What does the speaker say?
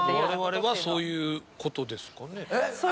われわれそういうことですかね？